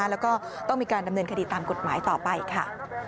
แล้วก็ต้องมีการดำเนินคดีตามกฎหมายต่อไปค่ะ